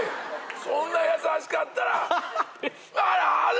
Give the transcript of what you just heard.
「そんな優しかったら」